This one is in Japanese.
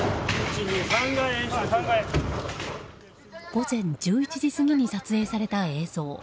午前１１時過ぎに撮影された映像。